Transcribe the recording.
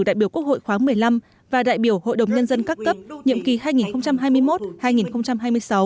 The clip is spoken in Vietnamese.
đại biểu quốc hội khoáng một mươi năm và đại biểu hội đồng nhân dân các cấp nhiệm kỳ hai nghìn hai mươi một hai nghìn hai mươi sáu